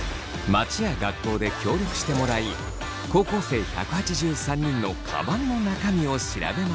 街や学校で協力してもらい高校生１８３人のカバンの中身を調べました。